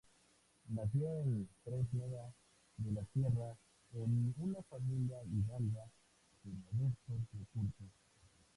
Nació en Fresneda de la Sierra, en una familia hidalga de modestos recursos.